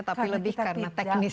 tapi lebih karena teknologi